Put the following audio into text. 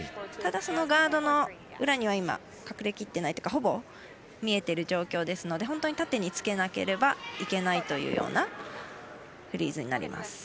ただ、そのガードの裏には今隠れきってないというかほぼ見えている状況ですので本当に縦につけなければいけないというようなフリーズになります。